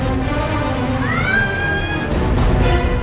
kenapa bisa sampai kayak begini sih kak nona